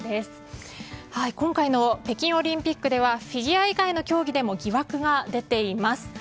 今回の北京オリンピックではフィギュア以外の競技でも疑惑が出ています。